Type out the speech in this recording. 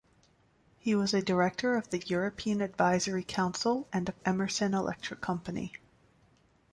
He was a director of the European Advisory Council and of Emerson Electric Company.